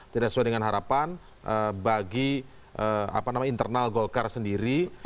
tidak sesuai dengan harapan bagi internal golkar sendiri